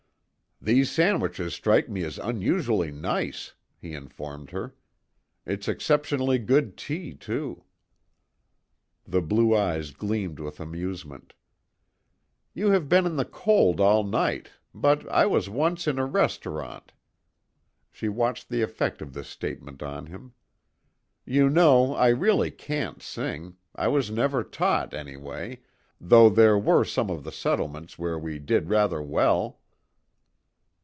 "These sandwiches strike me as unusually nice," he informed her. "It's exceptionally good tea, too." The blue eyes gleamed with amusement, "You have been in the cold all night but I was once in a restaurant." She watched the effect of this statement on him. "You know I really can't sing I was never taught, anyway, though there were some of the settlements where we did rather well."